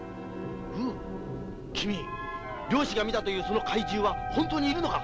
君猟師が見たというその怪獣は本当にいるのか？